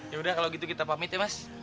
ya udah kalau gitu kita pamit ya mas